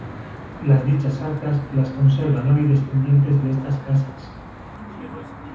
Las dichas arcas las conservan hoy descendientes de estas casas.